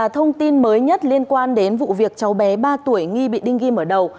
thông tin mới nhất liên quan đến vụ việc cháu bé ba tuổi nghi bị đinh ghi mở đầu